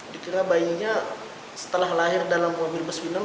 dikira bayinya setelah lahir dalam mobil bus minum